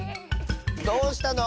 どうしたの？